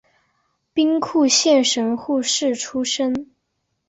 兵库县神户市出身。